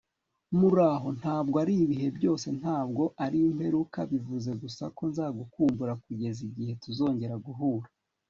muraho ntabwo ari ibihe byose, ntabwo ari imperuka; bivuze gusa ko nzagukumbura kugeza igihe tuzongera guhura